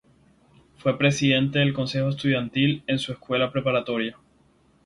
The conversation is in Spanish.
Fue presidente del consejo estudiantil en su escuela preparatoria.